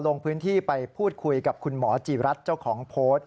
ลงพื้นที่ไปพูดคุยกับคุณหมอจีรัฐเจ้าของโพสต์